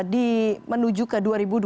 di menuju ke dua ribu dua puluh